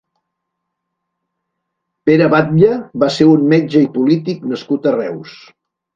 Pere Batlle va ser un metge i polític nascut a Reus.